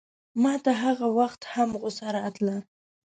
ماته هغه وخت هم غوسه راغله.